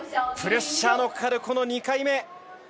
プレッシャーのかかるこの２回目。